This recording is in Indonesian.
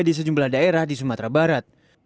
di sejumlah daerah di sumatera barat